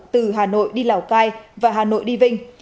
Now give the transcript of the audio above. từ hà nội đi lào cai và hà nội đi vinh